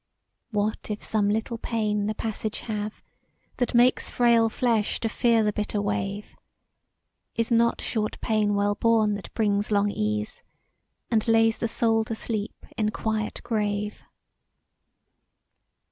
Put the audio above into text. "What if some little payne the passage have That makes frayle flesh to fear the bitter wave? Is not short payne well borne that brings long ease, And lays the soul to sleep in quiet grave?